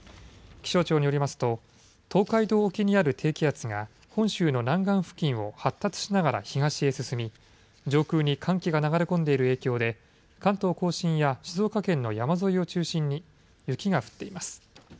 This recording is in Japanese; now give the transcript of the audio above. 気象庁によりますと東海道沖にある低気圧が本州の南岸付近を発達しながら東へ進み上空に寒気が流れ込んでいる影響で関東甲信や静岡県の山沿いを中心に雪が降っています。